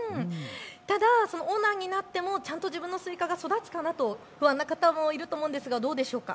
ただオーナーになってもちゃんと自分のスイカが育つかなと不安な方もいると思うんですがどうでしょうか。